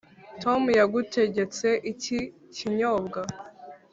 tom yagutegetse iki kinyobwa.